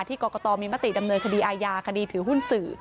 กรกตมีมติดำเนินคดีอาญาคดีถือหุ้นสื่อ